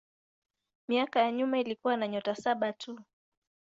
Miaka ya nyuma ilikuwa na nyota saba tu.